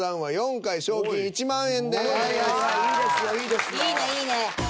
いいねいいね。